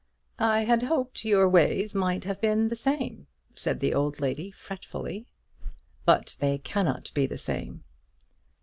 "I had hoped your ways might have been the same," said the old lady, fretfully. "But they cannot be the same."